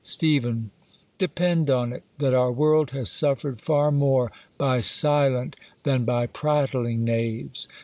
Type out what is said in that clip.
Stcph, Depend on it, that our world has suffered far more by silent, than by prattling knaves.